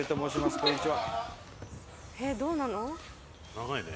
長いね。